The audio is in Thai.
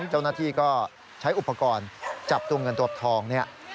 เจ้าหน้าที่ก็ใช้อุปกรณ์จับตัวเงินตัวทองเนี่ย